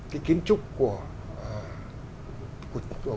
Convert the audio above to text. cái kiến trúc của